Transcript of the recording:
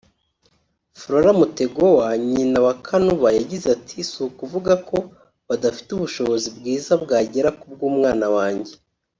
Flora Mtegoa nyina wa Kanuba yagize ati “si ukuvuga ko badafite ubushobozi bwiza bwagera kubw’umwana wanjye